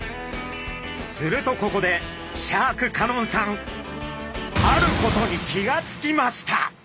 するとここでシャーク香音さんあることに気が付きました！